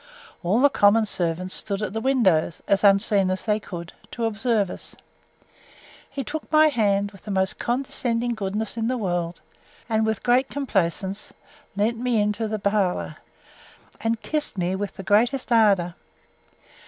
All the common servants stood at the windows, as unseen as they could, to observe us. He took my hand, with the most condescending goodness in the world; and, with great complaisance, led me into the parlour, and kissed me with the greatest ardour.